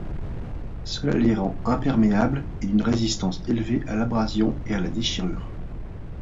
Cela les rend imperméables et d'une résistance élevée à l'abrasion et à la déchirure.